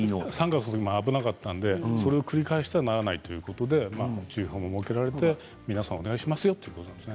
３月も危なかったのでそれを繰り返してはならないということで注意報が設けられて皆さん、お願いしますよということです。